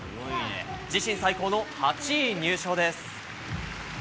自身最高の８位入賞です。